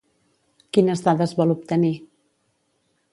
Quines dades vol obtenir?